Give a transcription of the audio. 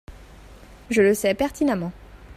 je le sais pertinemment.